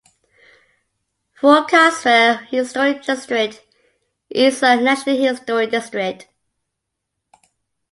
Fort Caswell Historic District is a national historic district.